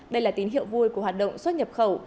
đây là tín hiệu vui của hoạt động xuất nhập khẩu